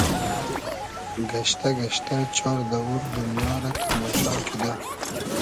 گئشتۂ گئشتۂ چار دئوور دونیا رۂ تئماشا کیدۂ